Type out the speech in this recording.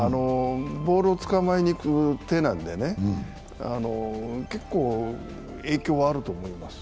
ボールをつかまえにいく手なので結構、影響はあると思います。